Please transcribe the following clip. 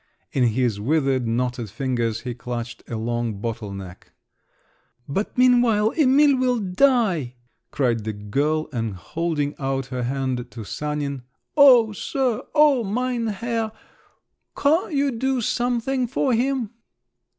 In his withered, knotted fingers, he clutched a long bottle neck. "But meanwhile Emil will die!" cried the girl, and holding out her hand to Sanin, "O, sir, O mein Herr! can't you do something for him?"